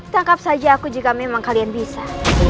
tangkap saja aku jika memang kalian bisa